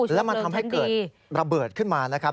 แล้วมันทำให้เกิดระเบิดขึ้นมานะครับ